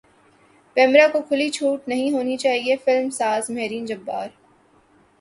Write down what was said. پیمرا کو کھلی چھوٹ نہیں ہونی چاہیے فلم ساز مہرین جبار